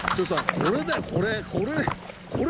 これだよこれ！